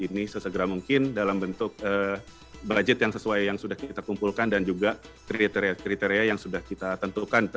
ini sesegera mungkin dalam bentuk budget yang sesuai yang sudah kita kumpulkan dan juga kriteria kriteria yang sudah kita tentukan